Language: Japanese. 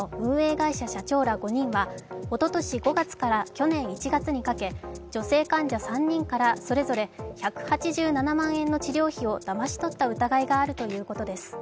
会社社長ら５人はおととし５月から去年１月にかけ女性患者３人からそれぞれ１８７万円の治療費をだまし取った疑いがあるというこです。